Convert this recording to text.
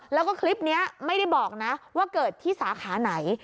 แล้วก็คลิปนี้ไม่ได้บอกนะว่าเกิดที่สาขาไหน